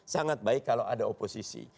sangat baik kalau ada oposisi